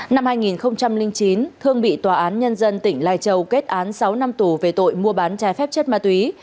năm hai nghìn chín thương bị tòa án nhân dân tỉnh lai châu kết án sáu năm tù về tội mua bán trái phép chất ma túy